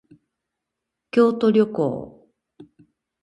京都旅行